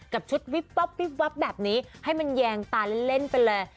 กับชุดวิบวับวิบวับแบบนี้ให้มันแยงตาเล่นไปเลย